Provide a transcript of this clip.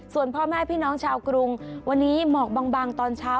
ส่วนพ่อแม่พี่น้องชาวกรุงวันนี้หมอกบางตอนเช้า